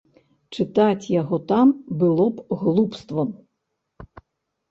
Чытаць яго там было б глупствам.